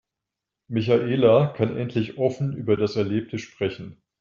Michaela kann endlich offen über das Erlebte sprechen.